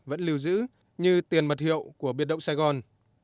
vẫn lưu giữ như tiền mật hiệu của biệt động sài gòn